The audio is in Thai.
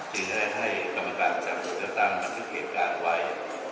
จึงได้ให้กรรมการประจำหน่วยเลือกตั้งบันทึกเหตุการณ์ไว้